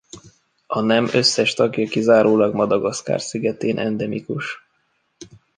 A nem összes tagja kizárólag Madagaszkár szigetén endemikus.